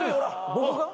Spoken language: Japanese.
僕が？